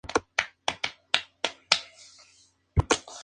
Hank le promete a Walt que cuidará de su familia, pase lo que pase.